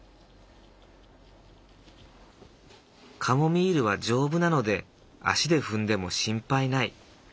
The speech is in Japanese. カモミールは丈夫なので足で踏んでも心配無い。